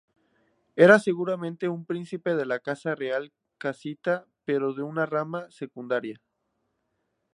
Era seguramente un príncipe de la casa real casita pero de una rama secundaria.